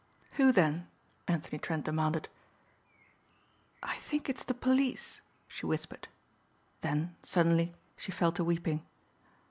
"Who then?" Anthony Trent demanded. "I think it's the police," she whispered. Then suddenly she fell to weeping.